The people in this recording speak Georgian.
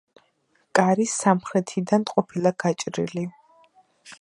კარი სამხრეთიდან ყოფილა გაჭრილი.